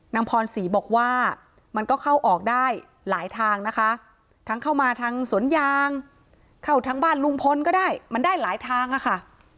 นางพรศรีบอกว่ามันก็เข้าออกได้หลายทางนะคะทั้งเข้ามาทางสวนยางเข้าทั้งบ้านลุงพลก็ได้มันได้หลายทางอะค่ะ